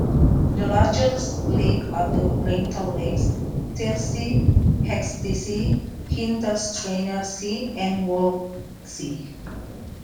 The largest lakes are the Reintal lakes, Thiersee, Hechtsee, Hintersteiner See and Walchsee.